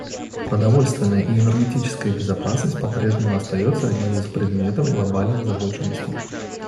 Продовольственная и энергетическая безопасность по-прежнему остается одним из предметов глобальной озабоченности.